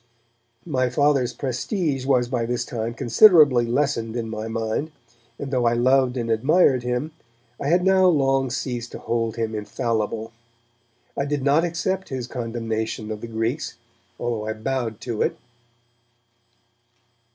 My Father's prestige was by this time considerably lessened in my mind, and though I loved and admired him, I had now long ceased to hold him infallible. I did not accept his condemnation of the Greeks, although I bowed to it.